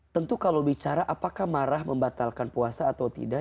tentu kalau bicara apakah marah membatalkan puasa atau tidak